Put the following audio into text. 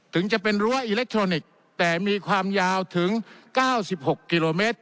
ถึงจะเป็นรั้วอิเล็กทรอนิกส์แต่มีความยาวถึง๙๖กิโลเมตร